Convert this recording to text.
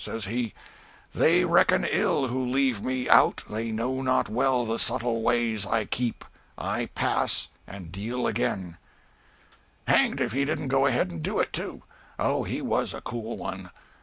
Says he "'They reckon ill who leave me out; They know not well the subtle ways I keep. I pass and deal again!' Hang'd if he didn't go ahead and do it, too! O, he was a cool one!